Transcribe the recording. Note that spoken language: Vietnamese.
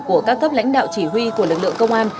của các cấp lãnh đạo chỉ huy của lực lượng công an